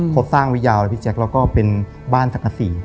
โกรธสร้างวิทยาลัยพี่แจ๊คแล้วก็เป็นบ้านสังฆษี